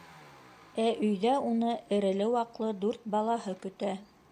Ә өйҙә уны эреле-ваҡлы дүрт балаһы көтә...